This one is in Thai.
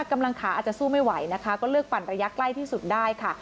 กำลังขาอาจจะสู้ไม่ไหวนะคะก็เลือกปั่นระยะใกล้ที่สุดได้ค่ะ